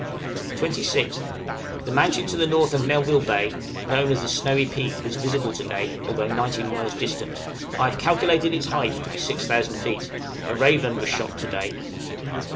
26th. The mountain to the North of Melville Bay, known as the 'Snowy Peak,' was visible yesterday, although 90 miles distant; I have calculated its height to be 6000 feet. A raven was shot to day.